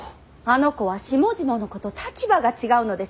あの子は下々の子と立場が違うのですよ。